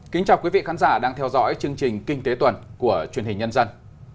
kính chào quý vị khán giả đang theo dõi chương trình kinh tế tuần của truyền hình nhân dân